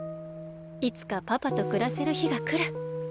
いつかパパとくらせるひがくる。